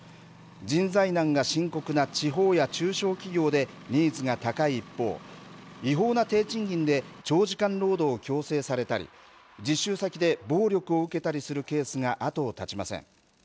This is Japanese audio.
人材難が深刻な地方や中小企業でニーズが高い一方、違法な低賃金で長時間労働を強制されたり、実習先で暴力を受けたりするケースが後を絶ちません。